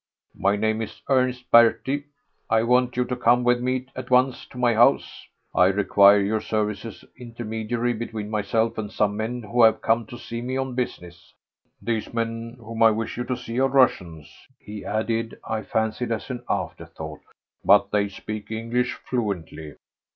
"My name is Ernest Berty. I want you to come with me at once to my house. I require your services as intermediary between myself and some men who have come to see me on business. These men whom I wish you to see are Russians," he added, I fancied as an afterthought, "but they speak English fluently."